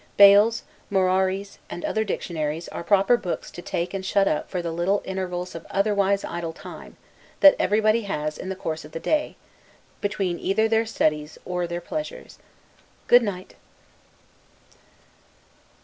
Bayle's, Moreri's, and other dictionaries, are proper books to take and shut up for the little intervals of (otherwise) idle time, that everybody has in the course of the day, between either their studies or their pleasures. Good night.